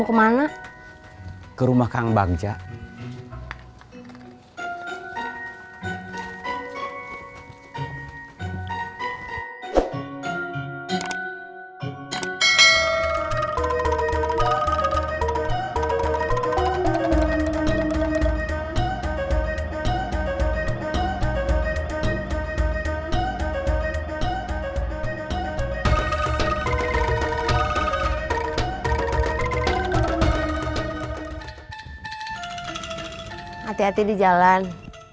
kita berangkat sekarang